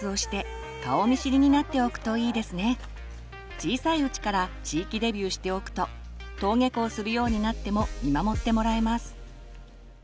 小さいうちから地域デビューしておくと登下校するようになっても見守ってもらえます。